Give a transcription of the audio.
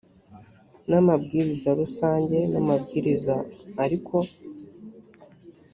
n amabwiriza rusange n amabwiriza ariko